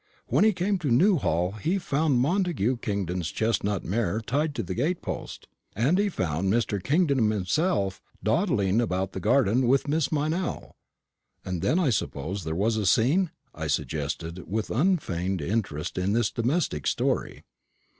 When he came to Newhall, he found Montagu Kingdon's chestnut mare tied to the gate post, and he found Mr. Kingdon himself, dawdling about the garden with Miss Meynell." "And then I suppose there was a scene?" I suggested, with unfeigned interest in this domestic story.